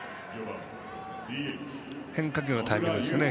変化球のタイミングでしたね。